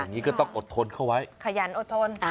อย่างนี้ก็ต้องอดทนเข้าไว้ขยันอดทน